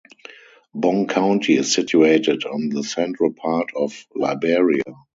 Bong County is situated in the central part of Liberia.